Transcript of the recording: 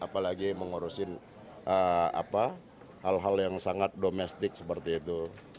apalagi mengurusin hal hal yang sangat domestik seperti itu